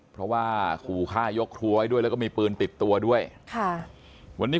เพราะว่าขู่ฆ่ายกครัวไว้ด้วยแล้วก็มีปืนติดตัวด้วยค่ะวันนี้